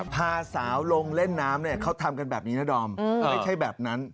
พาสาวลงเล่นน้ำเนี่ยเขาทำกันแบบนี้นะดอมไม่ใช่แบบนั้น